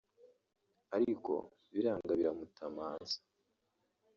ariko biranga biramutamaza